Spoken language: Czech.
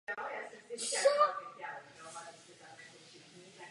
Mezi jeho největší jednotky patřily malé korvety a raketové čluny.